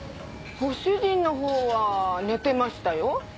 ご主人のほうは寝てましたよ。